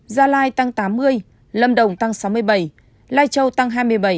gia lai tăng tám mươi lâm đồng tăng sáu mươi bảy lai châu tăng hai mươi bảy